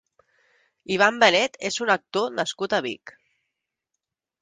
Ivan Benet és un actor nascut a Vic.